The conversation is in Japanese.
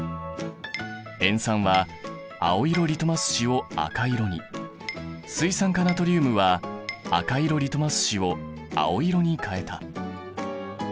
塩酸は青色リトマス紙を赤色に水酸化ナトリウムは赤色リトマス紙を青色に変えた。